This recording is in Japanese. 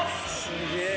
すげえ。